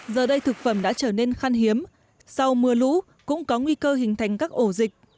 giờ đây thực phẩm đã trở nên khăn hiếm sau mưa lũ cũng có nguy cơ hình thành các ổ dịch